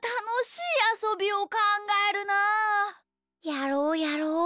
やろうやろう。